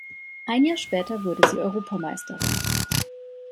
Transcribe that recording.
Ein Jahr später wurde sie Europameisterin.